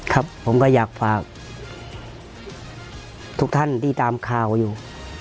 ครับผมก็อยากฝากทุกท่านที่ตามข่าวอยู่